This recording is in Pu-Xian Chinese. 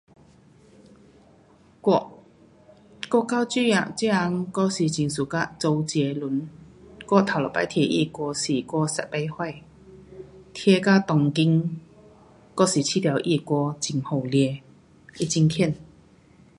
我，我到这下这下还是很 suka 周杰伦。我头一次听他的歌是我十八岁。听到当今还是觉得他的歌好听，他很棒。